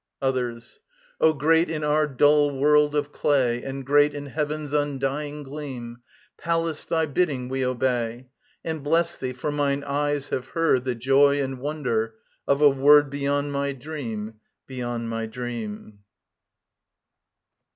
OTHERS. O great in our dull world of clay, And great in heaven's undying gleam, Pallas, thy bidding we obey: And bless thee, for mine ears have heard The joy and wonder of a word Beyond my dream, beyond my dream.